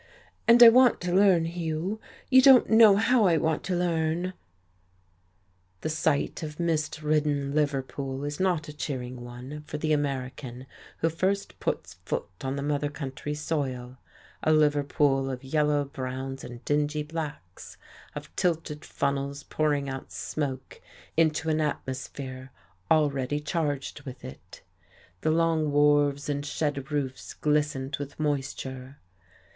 "And I want to learn, Hugh. You don't know how I want to learn!" The sight of mist ridden Liverpool is not a cheering one for the American who first puts foot on the mother country's soil, a Liverpool of yellow browns and dingy blacks, of tilted funnels pouring out smoke into an atmosphere already charged with it. The long wharves and shed roofs glistened with moisture.